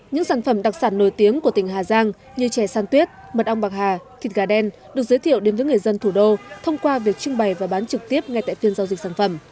những sản phẩm đặc sản nổi tiếng của tỉnh hà giang như chè san tuyết mật ong bạc hà thịt gà đen được giới thiệu đến với người dân thủ đô thông qua việc trưng bày và bán trực tiếp ngay tại phiên giao dịch sản phẩm